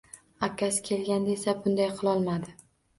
Akasi kelganda esa bunday qilolmadi